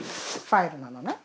ファイルなのね。